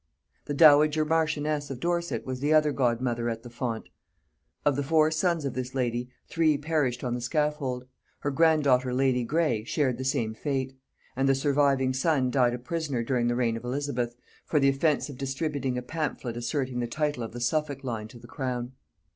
The dowager marchioness of Dorset was the other godmother at the font: of the four sons of this lady, three perished on the scaffold; her grand daughter lady Jane Grey shared the same fate; and the surviving son died a prisoner during the reign of Elizabeth, for the offence of distributing a pamphlet asserting the title of the Suffolk line to the crown.